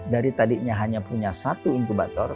dari tadinya hanya punya satu inkubator